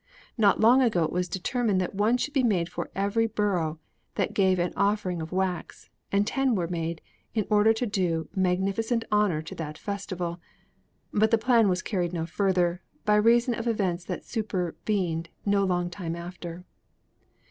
Not long ago it was determined that one should be made for every borough that gave an offering of wax, and ten were made, in order to do magnificent honour to that festival; but the plan was carried no further, by reason of events that supervened no long time after.